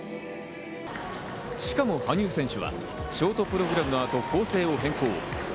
しかも羽生選手はショートプログラムの後、構成を変更。